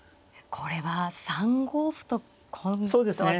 これは３五歩と今度は。